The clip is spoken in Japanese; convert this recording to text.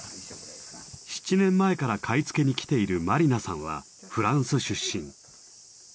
７年前から買い付けに来ているマリナさんはフランス出身。